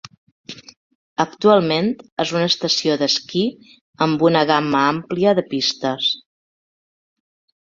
Actualment és una estació d'esquí amb una gamma àmplia de pistes.